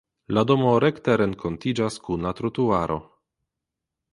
La domo rekte renkontiĝas kun la trotuaro.